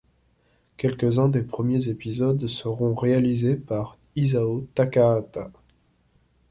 Quelques-uns des premiers épisodes seront réalisés par Isao Takahata.